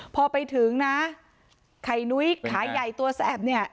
พอไปถึงนะไข่นุ้ยขาใหญ่ตัวสแอบเนี่ย